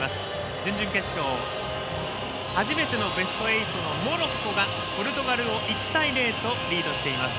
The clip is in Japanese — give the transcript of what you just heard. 準々決勝初めてのベスト８のモロッコがポルトガルを１対０とリードしています。